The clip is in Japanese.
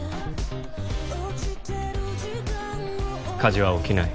火事は起きない。